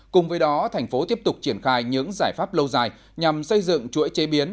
cùng với đó thành phố tiếp tục triển khai những giải pháp lâu dài nhằm xây dựng chuỗi chế biến